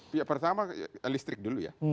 pertama listrik dulu ya